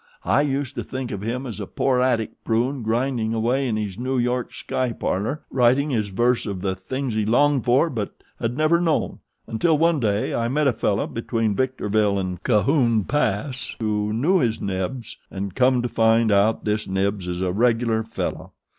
I used to think of him as a poor attic prune grinding away in his New York sky parlor, writing his verse of the things he longed for but had never known; until, one day, I met a fellow between Victorville and Cajon pass who knew His Knibbs, and come to find out this Knibbs is a regular fellow.